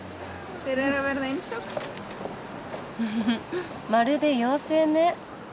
フフフッまるで妖精ね。